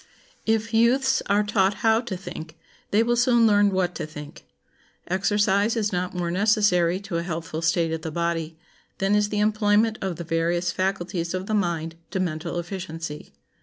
If youths are taught how to think, they will soon learn what to think. Exercise is not more necessary to a healthful state of the body than is the employment of the various faculties of the mind to mental efficiency.